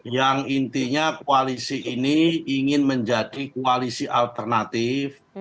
yang intinya koalisi ini ingin menjadi koalisi alternatif